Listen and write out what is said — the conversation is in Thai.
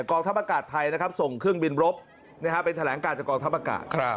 กองทัพอากาศไทยนะครับส่งเครื่องบินรบไปแถลงการจากกองทัพอากาศ